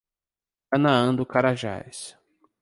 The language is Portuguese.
Canaã dos Carajás